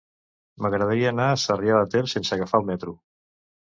M'agradaria anar a Sarrià de Ter sense agafar el metro.